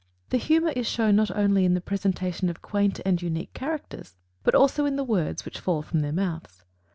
The humor is shown not only in the presentation of quaint and unique characters, but also in the words which fall from their mouths.